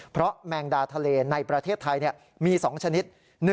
เพราะแมงดาทะเลในประเทศไทยมี๒ชนิด